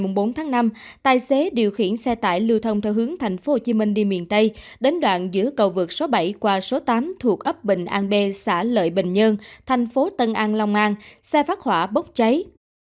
mùng bốn tháng năm tài xế điều khiển xe tải lưu thông theo hướng thành phố hồ chí minh đi miền tây đến đoạn giữa cầu vực số bảy qua số tám thuộc ấp bình an b xã lợi bình nhơn thành phố tân an long an xe phát hỏa bốc cháy